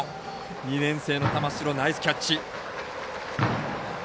２年生の玉城、ナイスキャッチ。